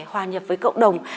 hòa nhập với cộng đồng